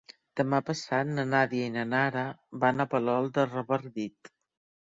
Demà passat na Nàdia i na Nara van a Palol de Revardit.